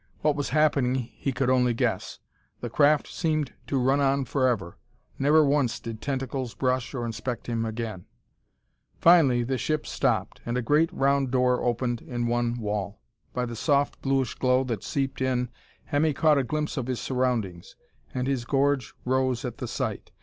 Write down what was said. What was happening, he could only guess. The craft seemed to run on forever. Never once did tentacles brush or inspect him again. Finally the ship stopped, and a great round door opened in one wall. By the soft bluish glow that seeped in Hemmy caught a glimpse of his surroundings, and his gorge rose at the sight.